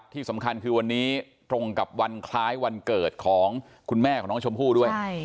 ที่สำคัญคือวันนี้ตรงกับวันคล้ายวันเกิดของคุณแม่ของน้องชมพู่ด้วย